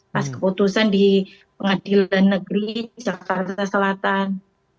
masih keputusan di png jakarta selatan